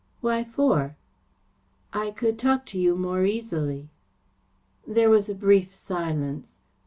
"Why for?" "I could talk to you more easily." There was a brief silence.